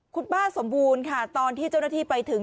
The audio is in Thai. คุณป้าสมบูรณ์ค่ะตอนที่เจ้าหน้าที่ไปถึง